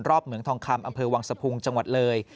เหมืองทองคำอำเภอวังสะพุงจังหวัดเลย